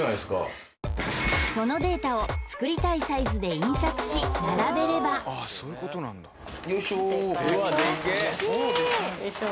そのデータを作りたいサイズで印刷し並べればよいしょ